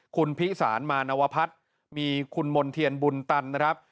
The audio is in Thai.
คุณพิสารมานวพัฒน์มีคุณมณ์เทียนบุญตันนะครับ